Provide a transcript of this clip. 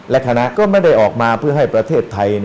และคณะก็ไม่ได้ออกมาเพื่อให้ประเทศไทย